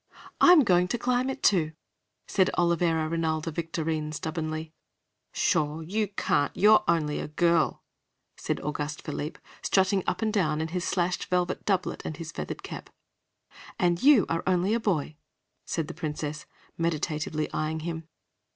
"I'm going to climb it, too," said Olivera Rinalda Victorine stubbornly. "Pshaw, you can't! You're only a girl," said Auguste Philippe, strutting up and down in his slashed velvet doublet and his feathered cap. "And you are only a boy," said the Princess, meditatively eying him.